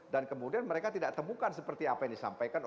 dan kemudian mereka tidak temukan seperti apa yang disampaikan